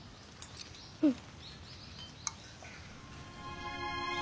うん。